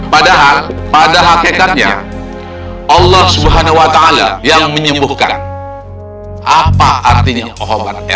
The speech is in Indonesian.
padahal padahal kekatnya allah subhanahu wa ta'ala yang menyembuhkan apa artinya oh